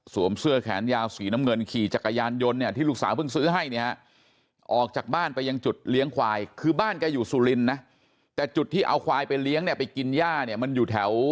สวมเสื้อแขนยาวสีน้ำเงินขี่จักรยานยนต์